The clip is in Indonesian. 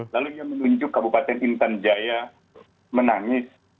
lalu ia menunjuk kabupaten intan jaya menangis